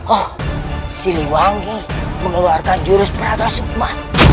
oh siliwangi mengeluarkan jurus perada sukma